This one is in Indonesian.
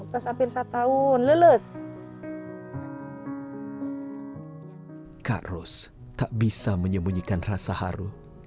kak ros tak bisa menyembunyikan rasa haru